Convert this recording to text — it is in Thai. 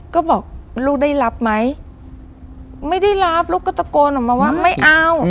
ก็บอกลูกได้รับไหมไม่ได้รับลูกก็ตะโกนออกมาว่าไม่เอา